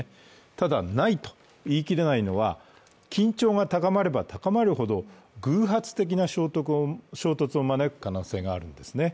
ただ、ないと言い切れないのは、緊張が高まれば高まるほど偶発的な衝突を招く可能性があるんですね。